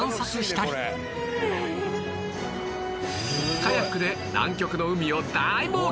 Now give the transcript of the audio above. カヤックで南極の海を大冒険